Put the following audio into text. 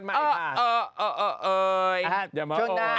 มาทิเบ๊กเดี๋ยวเจอกันใหม่ค่ะ